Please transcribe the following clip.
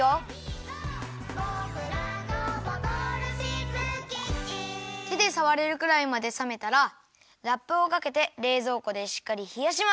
「ボクらのボトルシップキッチン」てでさわれるくらいまでさめたらラップをかけてれいぞうこでしっかりひやします。